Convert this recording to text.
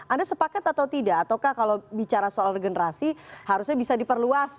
anda sepakat atau tidak ataukah kalau bicara soal regenerasi harusnya bisa diperluas